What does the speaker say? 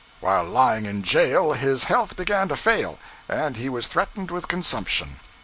While lying in jail, his health began to fail, and he was threatened with consumption.